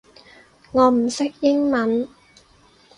我唔識英文